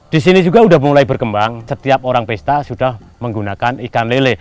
di sini juga sudah mulai berkembang setiap orang pesta sudah menggunakan ikan lele